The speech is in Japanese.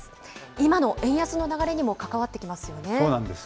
今の円安の流れにも関わってきまそうなんです。